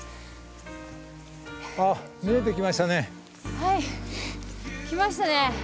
はい来ましたね